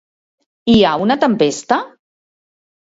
Hi ha una tempesta?